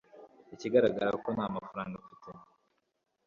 Ikigaragara ni uko nta mafaranga mfite